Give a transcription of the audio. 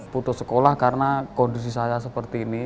putus sekolah karena kondisi saya seperti ini